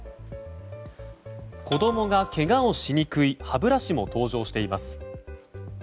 子供がけがをしにくい歯ブラシも登場しています。